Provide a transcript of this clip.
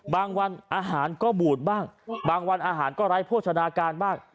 บางวันอาหารก็บูดบ้างบางวันอาหารก็ไร้โภชนาการบ้าง